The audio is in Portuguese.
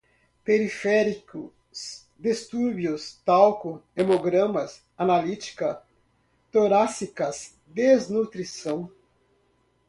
periféricos, distúrbios, talco, hemogramas, analítica, torácicas, desnutrição